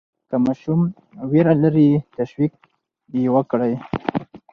که ماشوم ویره لري، تشویق یې وکړئ.